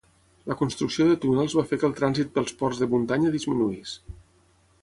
La construcció de túnels va fer que el trànsit pels ports de muntanya disminuís.